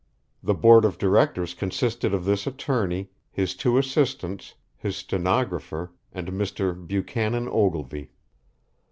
The board of directors consisted of this attorney, his two assistants, his stenographer, and Mr. Buchanan Ogilvy.